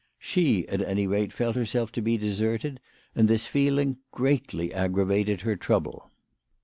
She at any rate felt herself to be deserted, and this feeling greatly aggravated her trouble.